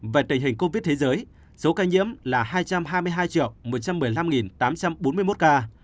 về tình hình covid thế giới số ca nhiễm là hai trăm hai mươi hai một trăm một mươi năm tám trăm bốn mươi một ca